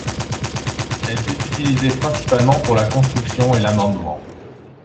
Elle fut utilisée principalement pour la construction et l'amendement.